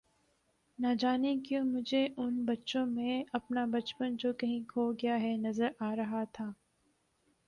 نجانے کیوں مجھے ان بچوں میں اپنا بچپن جو کہیں کھو گیا ہے نظر آ رہا تھا